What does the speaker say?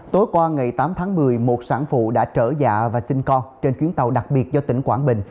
tối qua ngày tám tháng một mươi một sản phụ đã trở dạ và sinh con trên chuyến tàu đặc biệt do tỉnh quảng bình